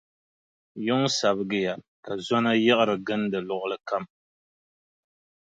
Yuŋ sabigiya, ka zɔna yiɣiri gindi luɣili kam.